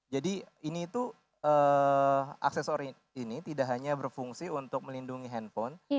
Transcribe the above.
jadi ini tuh aksesoris ini tidak hanya berfungsi untuk melindungi handphone